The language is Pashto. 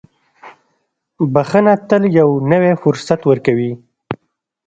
• بښنه تل یو نوی فرصت ورکوي.